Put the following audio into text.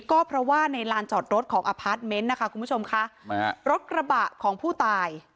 ก็เพราะว่าในลานจอดรถของนะคะคุณผู้ชมค่ะรถกระบะของผู้ตาย